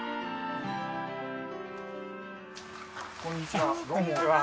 こんにちは。